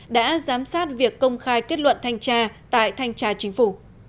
đã giám sát việc công khai kết luận thanh tra tại thanh tra chính phủ